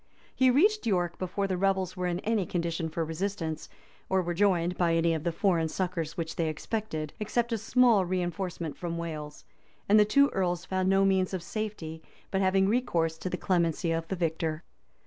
[] He reached York before the rebels were in any condition for resistance, or were joined by any of the foreign succors which they expected, except a small reënforcement from Wales;[] and the two earls found no means of safety but having recourse to the clemency of the victor.